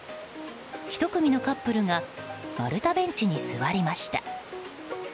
１組のカップルが丸太ベンチに座りました。